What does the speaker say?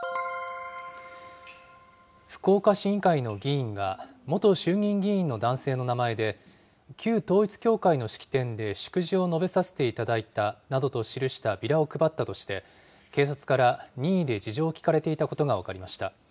福岡市議会の議員が、元衆議院議員の男性の名前で、旧統一教会の式典で祝辞を述べさせていただいたなどと記したビラを配ったとして、警察から任意で事情を聴かれていたことが分かりました。